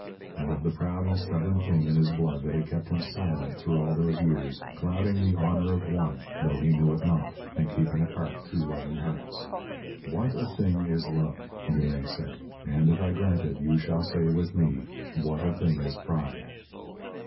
And of the proud and stubborn thing in his blood that had kept him silent through all those years, clouding the honour of one, though he knew it not, and keeping apart two loving hearts. "What a thing is love!" you may say. And if I grant it, you shall say, with me: "What a thing is pride!"